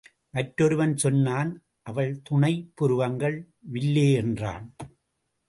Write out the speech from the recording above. மற்றொருவன் சொன்னான் அவள் துணைப் புருவங்கள் வில்லே என்றான்.